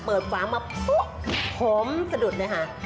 เปิดฝางมาห่มสะดุดเลยค่ะ